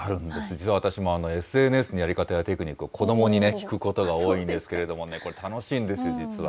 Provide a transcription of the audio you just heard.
実は私もＳＮＳのやり方や、テクニックを子どもに聞くことが多いんですけれどもね、これね、楽しいんです、実は。